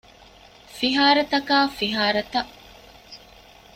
ފިހާރަތަކާ ފިހާރަތައް